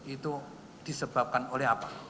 itu disebabkan oleh apa